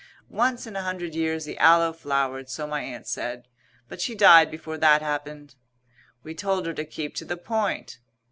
Once in a hundred years the Aloe flowered, so my Aunt said. But she died before that happened " We told her to keep to the point.